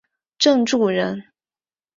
郑注人。